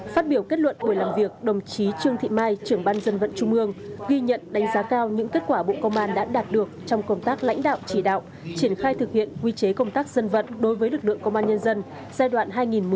phát biểu kết luận buổi làm việc đồng chí trương thị mai trưởng ban dân vận trung ương ghi nhận đánh giá cao những kết quả bộ công an đã đạt được trong công tác lãnh đạo chỉ đạo triển khai thực hiện quy chế công tác dân vận đối với lực lượng công an nhân dân giai đoạn hai nghìn một mươi sáu hai nghìn hai mươi